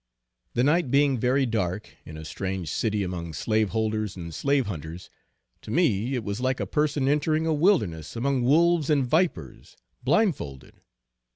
The night being very dark, in a strange city, among slaveholders and slave hunters, to me it was like a person entering a wilderness among wolves and vipers, blindfolded.